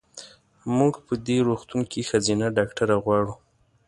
مونږ په دې روغتون کې ښځېنه ډاکټره غواړو.